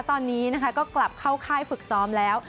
ตอนนี้นะคะก็กลับเข้าค่ายฝึกซ้อมแล้ว